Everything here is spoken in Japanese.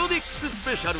スペシャル